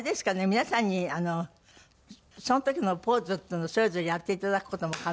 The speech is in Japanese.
皆さんにその時のポーズっていうのをそれぞれやっていただく事も可能？